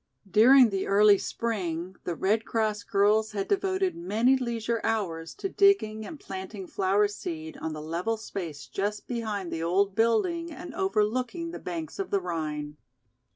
During the early spring the Red Cross girls had devoted many leisure hours to digging and planting flower seed on the level space just behind the old building and overlooking the banks of the Rhine.